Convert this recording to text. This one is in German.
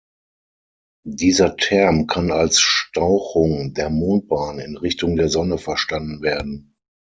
Dieser Term kann als "Stauchung" der Mondbahn in Richtung der Sonne verstanden werden.